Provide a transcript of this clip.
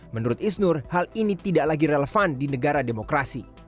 menurut isnur hal ini tidak lagi relevan di negara demokrasi